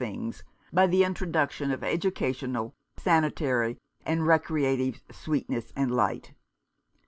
things, by the introduction of educational, sanitary, and recreative sweetness and light.